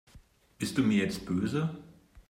Bist du mir jetzt böse?